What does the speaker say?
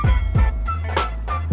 perihal manusia cap rusi kan